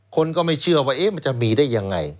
คนก็ไม่เชื่อว่ามันจะมีได้ยังไง